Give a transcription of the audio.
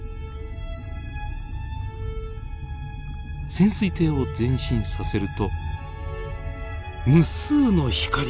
潜水艇を前進させると無数の光が現れました。